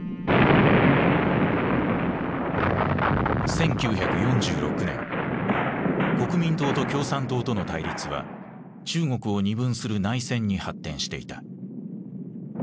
１９４６年国民党と共産党との対立は中国を二分する内戦に発展していた。